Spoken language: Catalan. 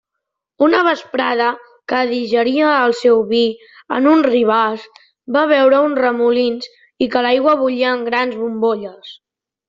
Una vesprada que digeria el seu vi en un ribàs, va veure uns remolins i que l'aigua bullia en grans bombolles.